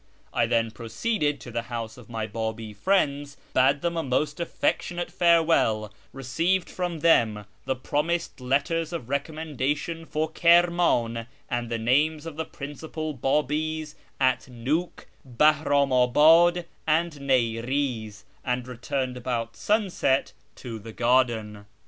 I then proceeded to the house of my Babi friends, bade them a most affectionate farewell, received from them the promised letters of recom mendation for Kirman, and the names of the principal Babi's at Niik, Bahramabad, and Ni'ri'z, and returned about sunset to the garden.